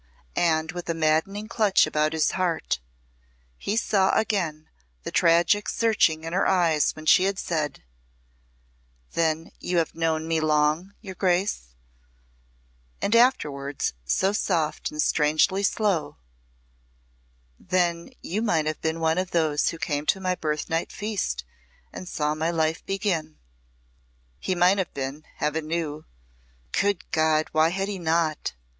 And with a maddening clutch about his heart he saw again the tragic searching in her eyes when she had said, "Then you have known me long, your Grace," and afterwards, so soft and strangely slow, "Then you might have been one of those who came to my birthnight feast, and saw my life begin." He might have been, Heaven knew. Good God, why had he not?